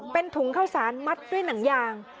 เป็นถุงข้าวสารมัดด้วยหนังยาง